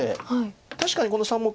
確かにこの３目。